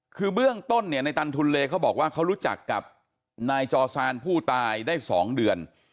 คือเบื้องต้นเนี่ยในตันทุนเลเขาบอกว่าเขารู้จักกับนายจอซานผู้ตายได้๒เดือน